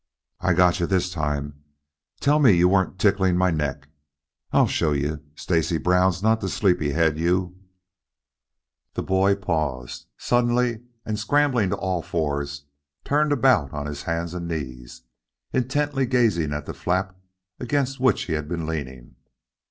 "I've got you this time! Tell me you weren't tickling my neck? I'll show you Stacy Brown's not the sleepy head you " The boy paused suddenly and scrambling to all fours turned about on his hands and knees, intently gazing at the flap against which he had been leaning.